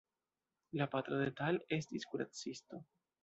La patro de Tal estis kuracisto.